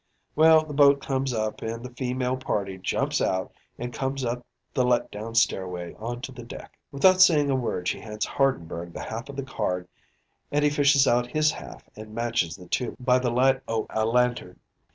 "Well, the boat comes up an' the feemale party jumps out and comes up the let down stairway, onto the deck. Without sayin' a word she hands Hardenberg the half o' the card and he fishes out his half an' matches the two by the light o' a lantern.